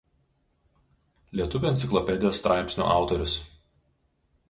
Lietuvių enciklopedijos straipsnių autorius.